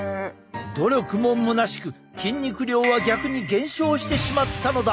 努力もむなしく筋肉量は逆に減少してしまったのだ！